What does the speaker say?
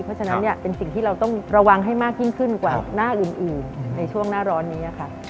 เพราะฉะนั้นเป็นสิ่งที่เราต้องระวังให้มากยิ่งขึ้นกว่าหน้าอื่นในช่วงหน้าร้อนนี้ค่ะ